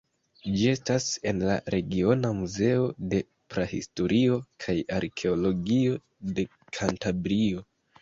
Ĝi estas en la Regiona Muzeo de Prahistorio kaj Arkeologio de Kantabrio.